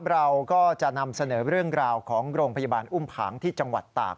เราก็จะนำเสนอเรื่องราวของโรงพยาบาลอุ้มผางที่จังหวัดตาก